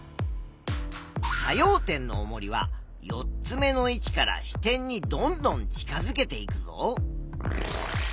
作用点のおもりは４つ目の位置から支点にどんどん近づけていくぞ。